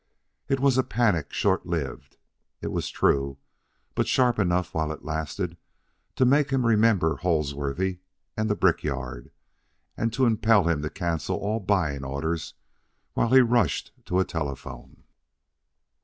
It was a panic, short lived, it was true, but sharp enough while it lasted to make him remember Holdsworthy and the brick yard, and to impel him to cancel all buying orders while he rushed to a telephone.